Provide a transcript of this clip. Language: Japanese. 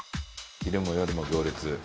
昼も夜も行列。